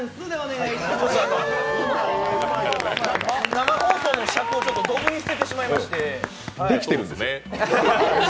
生放送の尺をどぶに捨ててしまいまして。